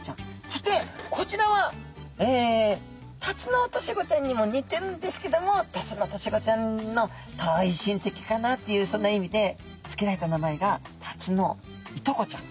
そしてこちらはタツノオトシゴちゃんにもにてるんですけどもタツノオトシゴちゃんの遠いしんせきかなっていうそんな意味でつけられた名前がタツノイトコちゃん。